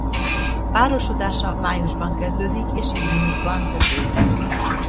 Párosodása májusban kezdődik és júniusban tetőzik.